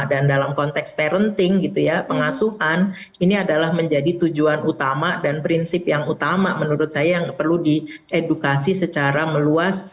dan dalam konteks parenting gitu ya pengasuhan ini adalah menjadi tujuan utama dan prinsip yang utama menurut saya yang perlu diedukasi secara meluas